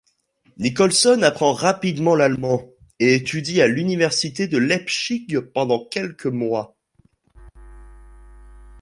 Nicolson apprend rapidement l'allemand et étudie à l'université de Leipzig pendant quelques mois.